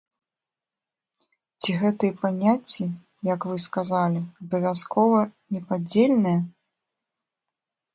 Ці гэтыя паняцці, як вы сказалі, абавязкова непадзельныя?